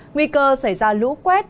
nguy cơ xảy ra lũ quét